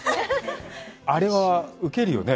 あれは受けるよね。